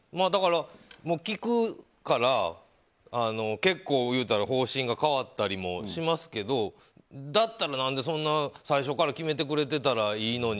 聞くから方針が変わったりもしますけどだったら何で、そんな最初から決めてくれていたらいいのに。